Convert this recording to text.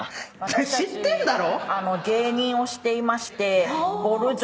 知ってんだろ！